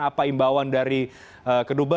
apa imbauan dari negara indonesia